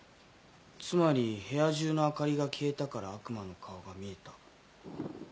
つまり部屋中の明かりが消えたから悪魔の顔が見えた。